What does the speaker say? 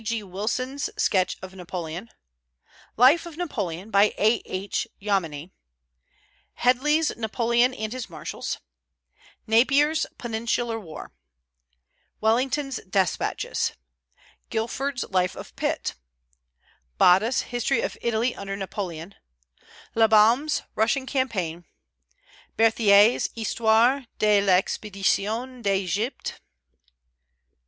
G. Wilson's Sketch of Napoleon; Life of Napoleon, by A. H. Jomini; Headley's Napoleon and his Marshals; Napier's Peninsular War; Wellington's Despatches; Gilford's Life of Pitt; Botta's History of Italy under Napoleon; Labaume's Russian Campaign; Berthier's Histoire de l'Expédition d'Egypte.